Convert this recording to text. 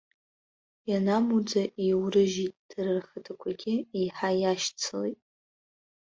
Ианамуӡа еиурыжьит, дара рхаҭақәагьы еиҳа иашьцылеит.